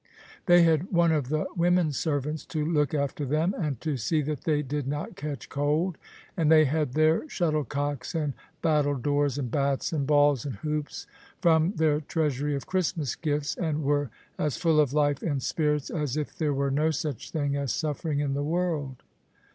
They had one of the women servants to look after them, and to see that they did not catch cold ; and they had their shuttlecocks and battledores, and bats and balls and hoops, from their treasury of Christmas ' gifts, and were as full of life and spirits as if there were no such thing as suffering in. the world.